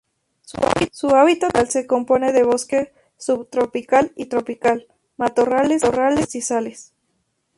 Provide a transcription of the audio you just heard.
Su hábitat natural se compone de bosque subtropical y tropical, matorrales y pastizales.